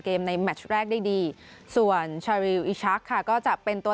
ในแมชแรกได้ดีส่วนชาริวอิชักค่ะก็จะเป็นตัว